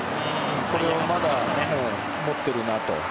これはまだ持っているなと。